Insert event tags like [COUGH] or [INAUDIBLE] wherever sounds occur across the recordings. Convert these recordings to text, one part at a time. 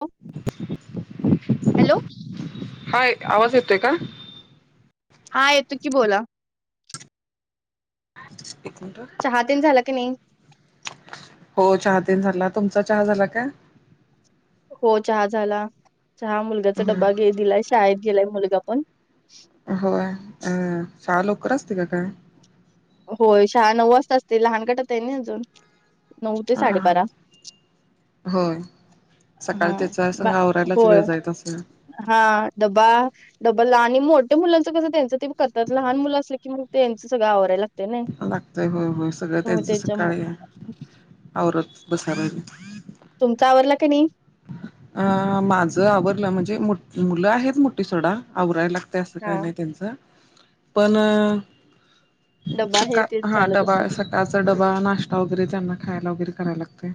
[UNINTELLIGIBLE] Hello. Hi, आवाज येतोय का? हा, येतो की बोला. [UNINTELLIGIBLE] एक मिनिटं ह. चहा तेन झाला की, नाही. हो, चहा तेन झाला तुमचा चहा झाला काय? हो, चहा झाला चहा मुलग्याचा डब्बा घे -दिलाय, शाळेत गेलाय मुलगा पण. होय, ह शाळा लवकर असते का काय? होय, शाळा नऊ वाजता असते लहान गटात आहे ना अजुन. नऊ ते हा साडेबारा. होय, हा सकाळ त्याचा बा संग आवरायलाच होय वेळ जाईत असलं. हा डबा डबल आणि मोठ्या मुलांच कसं, त्यांच तेनी करतात लहान मुलं असली कि कि मग, त्यांच सगळ आवराय लागतयं. लागतयं होय होय, सगळं त्यांच त्याच्यामुळे सकाळी आवरत बसाय लागतयं. तुमच आवरल कनय? अ माझं आवरलं म्हणजे मुलं आहेत, मोठी सोडा आवरायला. त्या असं हा काही नाही त्यांच पण अ डबा हे ते सकाळ हा चालत डबा असत सकाळचा डबा नाश्ता वगैरे, त्यांना खायला वगैरे करायला लागतयं.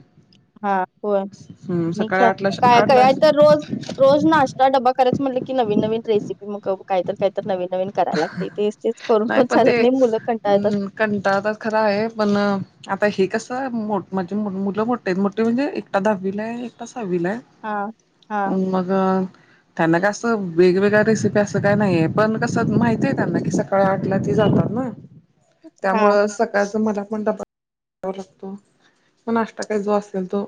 हा होय, आणि काय, आठला काय आठला करायच रोज. रोज नाश्ता डबा करायच म्हटलं की, नविन नविन रेसिपी मग काय तर काय तर नविन नविन. कराय लागतय तेच तेच करून पण चालत नाही, मुलं कंटाळतात. कंटाळा तर खरं आहे पण, आता हे कसं म्हणजे मुलं मोठ ताण, मोठ्ठी म्हणजे एकटा दहावीला आहे, आणि एकटा सहावीला आहे. हा हा. मग, त्यांना काय असं वेगवेगळ्या रेसिपी असं काय नाहीये पण कसं माहितीय त्यांना की, सकाळ आठला ते जातात ना हा त्यामुळे सकाळच मला पण डबा डबा लागतो म नाष्टा काही जो असेल तो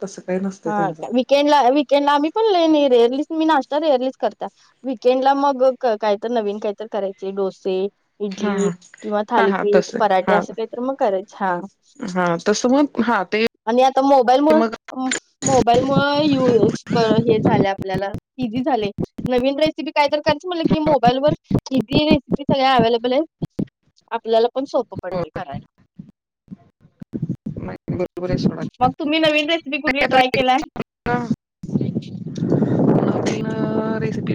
तसं काही नसतं. हा त्यांचं वीकेंडला विकेंडल ला आम्ही पण रेयरली मी नाश्ता रेअरलीच करता वकेंड ला मग काहीत नवीन काहीत करायचे डोसे हा इडली हा किंवा हा हा थालीपीठ तस पराठे हा असं काही तर मग करायच हां हा तसं मग हा ते आणि आता मोबाईल मूळ मग मोबाईल मूळ यू हे झालं आपल्याला. इझी झालयं, नवीन रेसिपी काय तर करायच म्हटलं की मोबाईल वर इझी सगळ अव्हेलेबल आहे, आपल्याला पण सोपं पडत करायला. [UNINTELLIGIBLE] नाही बरोबर आहे सोडा मग तुम्ही नवीन रेसिपी कुठली ट्रय केलाय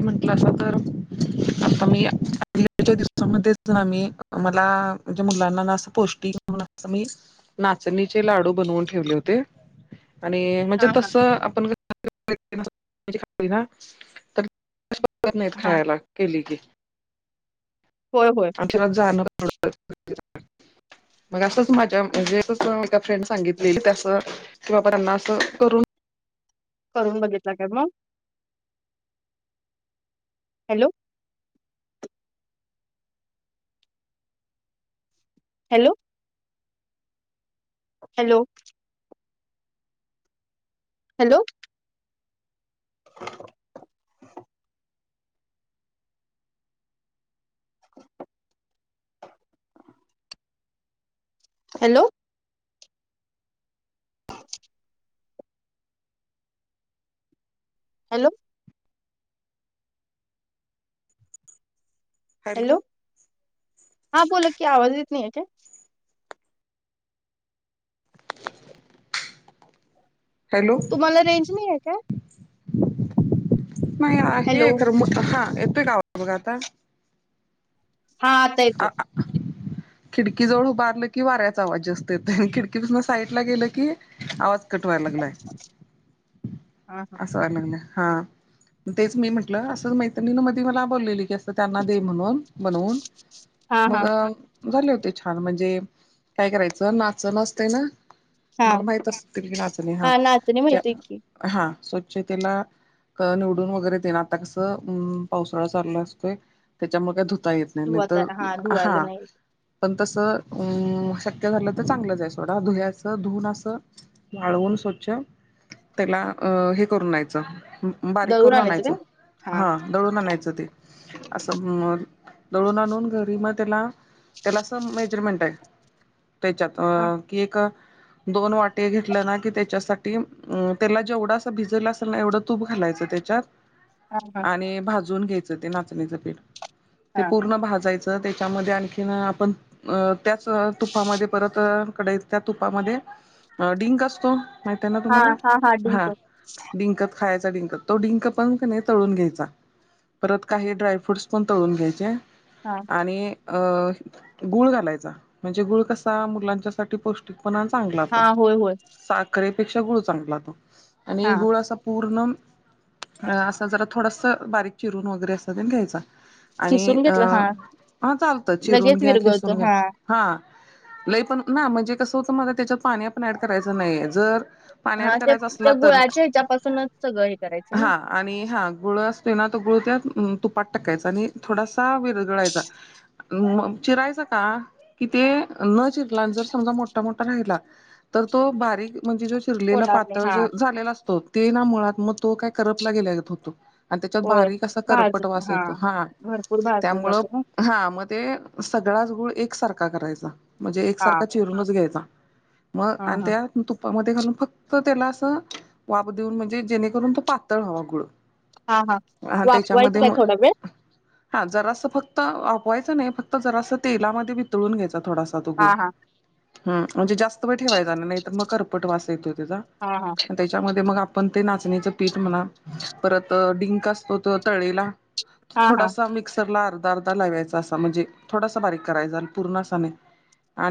म्हणटला असत आता मी आच्या दिवसामध्येच ना मी मला म्हणजे मुलांना ना असं पौष्टिक म्ह मी नाचणीचे लाडू बनवून ठेवले होते आणि म्हणजे हा हा तस आपण ना तर नाहीत हा खायला केली की हो हो जाण मग असंच माझ्या म्हणजे ए फ्रेंड सांगितले की बाबा त्यांना अस कर करून बघितला काय मग hello hello hello hello [UNINTELLIGIBLE] hello hello hello हा बोला कि आवाज इत आहे का हॅलो मला रेंज नाही आहे का नाही हॅलो आहे खरं हा येतोय कावा बघा आता हा अ [UNINTELLIGIBLE] खिडकीजवळ उभारलं की वाऱ्याचा आवाजी असत येत आणि खिडकीपासून साईड ला गेलं की आवाज कटवायला लागलाय [UNINTELLIGIBLE] हा अससं वाण ना हा तेच मी म्हटलं असं मैत्रिणी न मध मला बोललेली की असं त्यांना दे म्हणून बनून हा मग हा झाले होते छान म्हणजे काय करायचं नाच नाचते ना हा तुम्हाला माहित असतील की नाचणे हा नाचणी त्या माहितीय की हा स्वच्छतेला निवडून वगैरे देण आता कसं अ पावसाळा चालला असतोय त्याच्यामुळे काय धुता येत ननत धुवाता हा धुवायला नाही पण तसं अं शक्य झालं तर चांगलंच आहे सोडा धुयाच धुवून असं वाळवून स्वच्छ त्याला अ हे करून नयचं बारीक दळून करून काय? आणायचं हा दून आणायच ते अस दून आणून घ मेमें त्याच्यात दोन वाटे घेतलं ना कि त्याच्यासाठीं त्याला जेवढं अस भिजलं असेल ना एवढं तूप घालायचं त्याच्यात [UNINTELLIGIBLE] आणि भाजून घ्यायचं ते नाचणीचं पीठ ते पूर्ण भाजायचं त्याच्यामध्ये आणखीन आपण अ त्याच तुपामध्ये परत अ कडई त्या तुपामध्ये, डिंक असतो माहि ना हा हा तुम्हाला हा डिंक डंकत खायचा डिंक, तो डिंक पण की नाय तळून घ्यायचा. परत काही ड्रायफ्रूट्स पण तळून घ्यायचे. हा आणि अ गुळ घालायचा. म्हणजे गुळ कसा मुलांच्यासाठी पोष्ट पणा चांगला हा पण, होय होय साखरेपेक्षा गुळ चांगला तो आणि हा गुळ असा पूर्ण, अ असा जरा थोडंस बारीक चिरून वगैरे असं ते घ्यायचा आणि खिसून अ, घेतलं हा हा चालतं चिरून लगेच घ्या, विरगळतो खिसून घ्या हा. हा, लई पण ना म्हणजे कसं होतं मला त्याच्या पाणी आपण ऍड करायचं नाही. जर पाणी हा ऍड त्या, करायचा त्या असला तर गुळाच्या ह्याच्यापासूनच सगळं हे करायचं ना? हा आणि हा, गुळ असतोय ना तो गुळ त्यात, तुपात टाकायचा आणि थोडासा विरगळायचा म चिरायचा का कि ते, न चिरला आणि जर समजा मोठा मोठा राहिला, तर तो बारीक म्हणजे जो चिरलेला होणार नाही पातळ हा जे झालेला असतो, ते ना मुळात मग तो काय करपला गेला गत होतो. आणि त्याच्यात होय बारीक असा भाज करपट वास येतो. हा, भरपूर भाजलं त्यामुळं जातं ना हा मग ते, सगळाच गुळ एकसारखा करायचा. म्हणजे हा एकसारखा चिरूनच घ्यायचा. मग हा आणि हा त्या तुपामध्ये घालून फक्त त्याला असं वाफ देऊन, म्हणजे जेणेकरून तो पातळ व्हावा गुळ. हा हा, वाफवायचं त्याच्यामध्ये काय मग थोडा वेळ. हा जरासं फक्त, वाफवायचं नाही, फक्त जरासं तेलामध्ये वितळून घ्यायचा थोडासा तो हा गुळ. हा हम म्हणजे जास्त वेळ ठेवायचा नाही, नाही तर मग करपट वास येतो त्याचा. हा हा त्याच्यामध्ये मग आपण ते नाचणीचं पीठ म्हणा परत अ डिंक असतो तो तळलेला. हा हा थोडासा मिक्सर ला अर्धा अर्धा लावायचा, असा म्हणजे थोडासा बारीक करायचा पूर्ण असा नाही.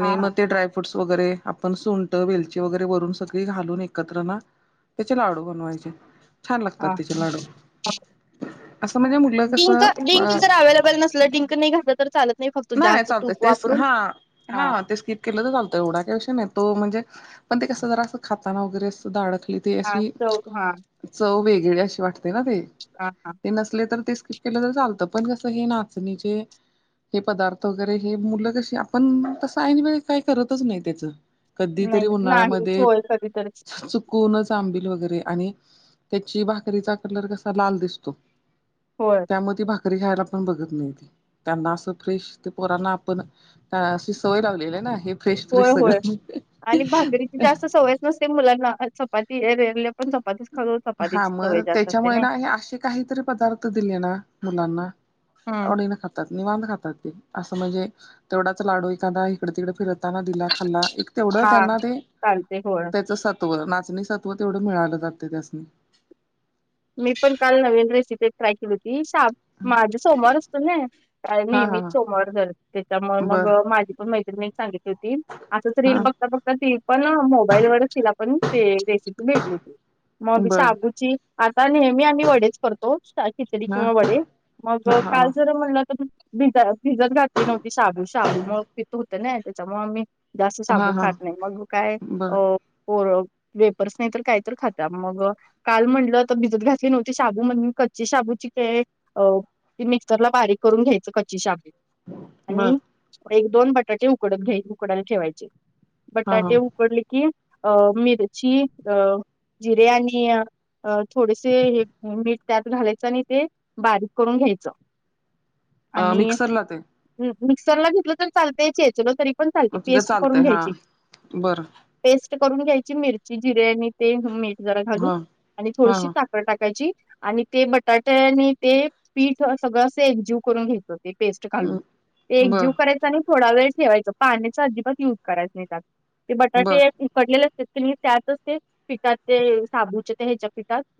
हा हा मग ते ड्रायफ्रूट्स वगैरे आपण सुंट, वेलची वगैरे वरून सगळी घालून एकत्र ना त्याचे लाडू बनवायचे. छान लागतात हा, त्याचे लाडू असं म्हणजे मुलं कसं डिंक डिंक अ जर अव्हेलेबल नस् डिंक नाही घातलं तर चालत नाही, फक्त नाही जास्त चालतंय तूप तेच वापरून? हा हा ते स्किप केलं तर चालतं एवढा का विषय नाही, तो म्हणजे पण ते कसं जरा असं खाताना वगैरे असं दाडाखाली ते हा अशी, चव हा चव वेगळी अशी वाटते ना ते. हा हा. ते नसले तर ते स्किप केलं तर चालतं, पण कसं हे नाचणीचे हे पदार्थ वगैरे हे मुलं कशी आपण, तसं ऐन वेळी काही करतच नाही त्याचं. कधी नाही तरी नाहीच उन्हाळ्यामध्ये, होय कधीतरीच च कूनच आंबील वगैरे, आणि त्याची भाकरीचा कलर कसा लाल दिसतो. होय त्यामुळं ती भाकरी खायला पण बघत त्यांना असं फ्रेश, ते पोरांना आपण अशी सवय लावलेली ना आहे होय होय, आणि भाकरीची जास्त सवय नसते मुलांना चपाती [UNINTELLIGIBLE] पण चपातीच खातो हा चपातीची मग सवय जास्त असते त्याच्यामुळे नाही ना हे असे काहीतरी पदार्थ दिले ना, मुलांना हा आवडीनं खातात, निवांत खातात ते, असं म्हणजे तेवढाच लाडू एखादा इकडे तिकडे फिरत ताना, दिला खाल्ला. एक तेवढं हा त्यांना ते चालते होय त्याच होय, नाचणी सत्व तेवढं मिळालं जातं त्यासनी. मी पण काल नवीन रेसिपी ट्राय केली होती शाप माझं सोमवार असतं ना हा हा नेहमीच हा सोमवार जरच्यामुळे मग बर माझी पण माहि मी एक सांगितली होती असंच रील हा बघता बघता ती पण मोबाईलवरच तिला पण ते रेसिपी भेटली होती मग बर शबूची तर नेहमी आम्ही वडेच करतो, खिचडी हा किंवा वडे मग हा हा काल हा जरा म्हणलं तर भिज भिजत घातली नव्हती शाबू, शाबु मुळं पित होते ना त्याच्यामुळ मी जास्त हा शाबू हा खात नाही, मग काय बर अ वेपर्स नाही तर काहीतर खात्या, मग अ काल म्हणलं भिजत घातली नव्हती शाबू म्हण कच्ची शाबूची काय अ ती मिक्सर ला बारीक करून घ्यायचं कच्ची शाबू. बर आणि एक दोन बटाटे उकड घ्या उकडायला ठेवायचे. हा बटाटे उकडली. कि अ मिरची, अ जिरे, आणि अ थोडेसे हे मीठ त्यात घालायचं आणि ते बारीक करून घ्यायचं. हा आणि मिक्सरला ते मिक्सरला घेतलं तर चालतय ेचलं तरी पण चालत ग पेस्ट करून चालतंय हा घ्यायची. बरं पेस्ट करून घ्यायची मिरची जिरे आणि ते मीठ जरा घालून हा आणि हा थोडीशी हा सा टाकायची आणि ते बटाटे आणि ते पीठ सगळं असे एकजीव करून घेत हो ते पेस्ट घालून ते एकजीव बर करायच आणि थोडा वेळ ठेवायचं पाण्याचा अजिबात युज करायच नाही त्यात ते बटाटे बर उकडलेले असतात की नी त्यातच ते पीठात ते साबूचे ते ह्याच्या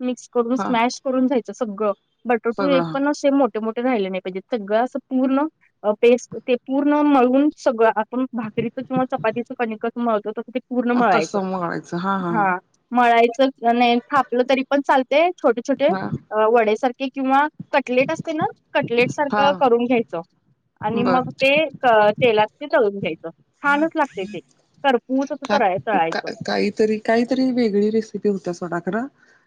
मिक्स करून हा स्मास करूनयच सगळ बटरटू सगळं पण मोठे मोठे राहिले नाही पाहिजे सगळं असं पूर्ण पेस्ट ते पूर्ण मळून सगळं आपण भाकरीच किंवा चपातीच कणिक मळतो. ते पूर्ण हा मिळायचं तसं मळायचं हा. मळायचं नाही थापलं तरी पण चालते छोटे छोटे हा वड्यासारखे किंवा कटलेट असते ना, कटलेट हा सारखं करून घ्यायचं आणि बर मग हा ते तेलात तळून घ्यायचं. छानच लागते ते खरपूस असं का तळायचं. काहीतरी काहीतरी वेगळी रेसिपी होत्या सोडाखरा.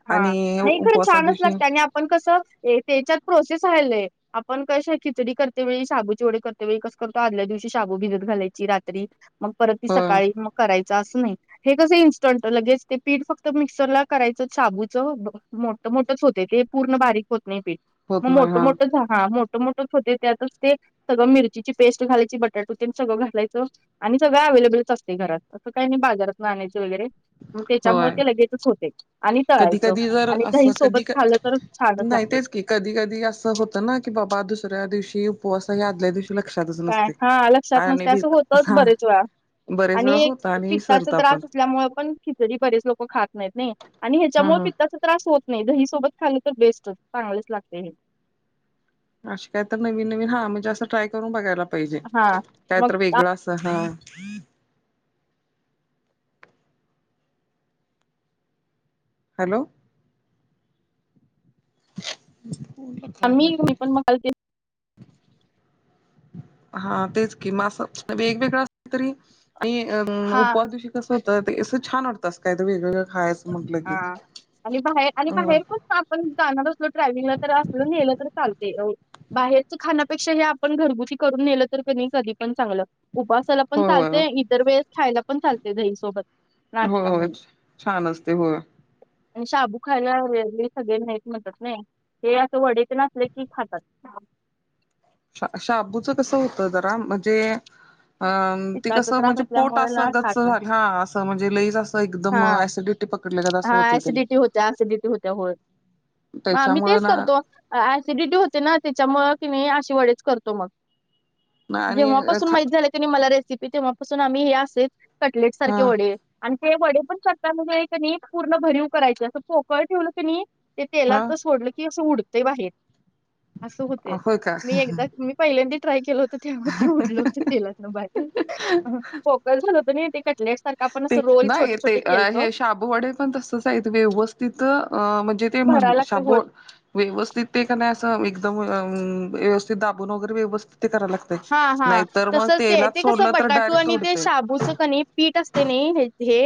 हा नाही खरं छानच लागत आणि आपण कसं त्याच्यात प्रोसेस आहे लई. आपण कसे खिचडी करते वेळी शाबू चिवडे करते वेळी कसं करतो आदल्या दिवशी शाबू भिजत घालायची रात्री मग परत होय सकाळी मग करायच असं नाही हे कस इन्स्टंट लगेच ते पीठ फक्त मिक्सरला करायच. साबूच मो मोठच होते ते पूर्ण बारीक होत नाही पीठ होत मग नाही मोठ हा मोठ हा मोठ मोठं होते त्यातच ते सगळं मिरचीची पेस्ट घालायची बटाटो ते सगं घालायचं. आणि सगळ्या अव्हेलेबलच असते घरात असं काही नाही बाजारात ना आणयच वगैरे मग त्याच्यामुळे होय ते लगेचच होते. आणि कधी तळायचं कधी जर आणि अस दही सोबत कधी खाल्लं तर छानच नाही लागते तेच कि कधी कधी असं होतं ना की बाबा दुसऱ्या दिवशी उपोवास या आदल्या दिवशी लक्षातच काय नसते हा लक्षात आणि नसते भिज असं होतच हा बरेच बरेच आणि वेळा एक होता आणि पित्ताचा विसरता पण त्रास असल्यामुळे पण तरी बरेच लोक खात नाहीत नाही आणि हा ह्याच्यामुळे हा पित्ताच त्रास होत नाही दहीसोबत खाली तर बेस्टच चांगलेच लागते हे अे काय तर नवीन नवीन हा म्हणजे असं ट्राय करून बघायला पाहिजे हा काय मग तर वेगळा अस हा हॅलो ला काय आम्ही झालं मी पण मग हा तेच कि म असं वेगवेगळं अस तरी आणि हा उपवासं दिवशी कसं होतं ते असं छान वाटत काय वेगवेगळं खायच हा आणि बाहेर आणि होय बाहेर पण आपण जाणार असलो ट्रॅव्हलिंगला तर असल नेलं तर चालते बाहेरच खाण्यापेक्षा हे आपण घरगुती करून नेलं तर कध कधी पण चांगलं उभसाला पण होय चालते इतर वेळेस खायला पण चालते दहीसोबत होय नाश्ता होय म्हणून छान असते होय आणि साबू खायला वेग सगळे नाहीत म्हणतात नाही हे असं वडचे नसले की खातात शा आबूचं कसं होत जरा म्हणजे अ ती पित्ताचा कसं त्रास म्हणजे पोट असल्यामुळे ना असं गच्च खात नाही. झालं हा असं म्हणजे लईच अस हा हा ते ऍसिडिटी होत्या सिडिटी होत्या हो आ मी त्याच्यामुळं तेच ना करतो ऍसिडिटी होते ना त्याच्यामु कि नाही अशी वडेच करतो मग ना आणि जेव्हापासून खा माहित झाले त् मला रेसिपी तेव्हापासून आम्ही हे असेच कटलेट हा सारखे वडील ते वडे पण शकता म्हणजे क पूर्ण भरीव करायचे असं पोकळ ठेवलं की नाही ते तेला हा तर सोडलं की असं उडतंय बाहेर असं होते होय का मी एकदा पहिल्यांद ट्राय केलं होत ते उडल होतं तेला बाहे फोकस झा होत ते आपण रोल छोटे छोटे केलतो शा वडे पण तसच आहेत व्यवस्थित अ म्हणजे ते म्हण भरायला लागते होल साबोड व्यवस्थित ते का नाही अस एकदम व्यवस्थित दाबून वगैरे व्यवस्थित ते करायला लागतय हा हा नाहीतर मग तस ते तेलात ते कस सोडलं तर बटाटू डायरेक्ट आणि ते उडते शाबूच क नाही पीठ असते नाही हे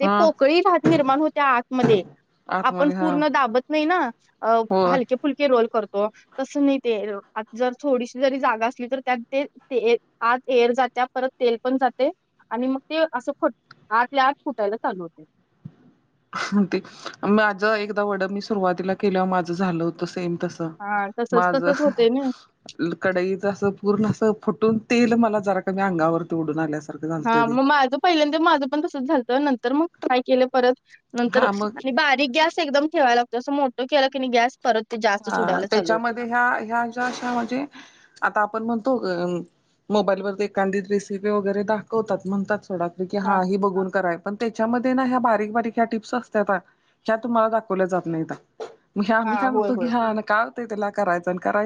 ते हा पोकळी भात निर्माण होत्या आतमध्ये आपण आतमध्ये हा पूर्ण दाबत नाही ना अ होय हलके फुलके रोल करतो तस नाही ते आ जर थोडीशी जरी जागा असली तर त्यात ते ते आत एर जात्या परत तेल पण जाते आणि मग ते असं खट आठ ला आठ फुटायला चालवते माझ एकदा वड मी सुरुवातीला केलंवर माझं झालं होतं सेम तस हा तसच माझ तसच होते ना कडाईच असं पूर्ण अस फुटून तेल मला जरा का मी अंगावरती उडून आल्यास हा मग माझं पहिल्यांत माझं पण तसंच झालतं नंतर मग ट्राय केलं परत नंतर हा मग आणि बारीक गॅस एकदम ठेवा लागतो अस मोठं केलं की नाही गॅस परत जास्तच हा उडायला चालू होते त्याच्यामध्ये ह्या ह्या ज्याश्या म्हणजे आता आपण म्हणतो मोबाईल व एखादी रेसिपी वगैरे दाखवतात म्हणतात सोड की हा ह बघून करा पण त्याच्यामध्ये ना ह्या बारीक बारीक ह्या टिप्स असत्या का ह्या तुम्हाला दाखवल्या जात नाहीत मग ह हा मी काय होय म्हणतो होय की हा काय होतय त्याला करायचं आणि करायच